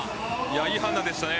いい判断でしたね。